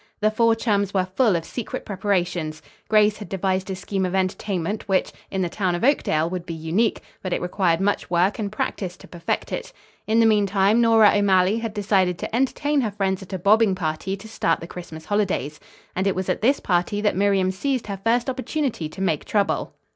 The four chums were full of secret preparations. Grace had devised a scheme of entertainment which, in the town of Oakdale, would be unique, but it required much work and practice to perfect it. In the meantime Nora O'Malley had decided to entertain her friends at a bobbing party to start the Christmas holidays. And it was at this party that Miriam seized her first opportunity to make trouble.